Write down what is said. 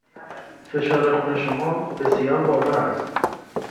فشار خون شما بسیار بالا است.